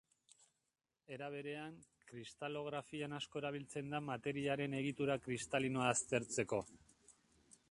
Era berean kristalografian asko erabiltzen da materiaren egitura kristalinoa aztertzeko.